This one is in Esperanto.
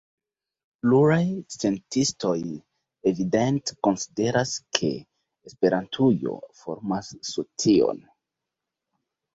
Pluraj sciencistoj evidente konsideras, ke Esperantujo formas socion.